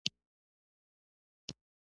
بېنډۍ د روژې افطار خوړلو برخه وي